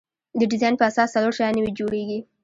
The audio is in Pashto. د ډیزاین په اساس څلور شیان نوي جوړیږي.